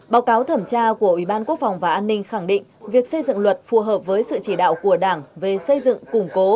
báo cáo thẩm tra của ủy ban quốc phòng và an ninh khẳng định việc xây dựng luật phù hợp với sự chỉ đạo của đảng về xây dựng củng cố